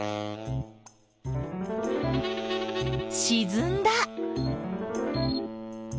しずんだ。